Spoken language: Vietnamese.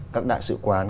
các đại sự quán